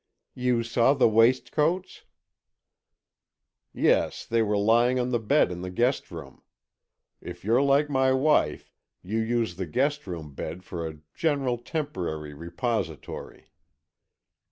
"You saw the waistcoats?" "Yes, they were lying on the bed in the guest room. If you're like my wife, you use the guest room bed for a general temporary repository."